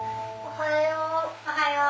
おはよう。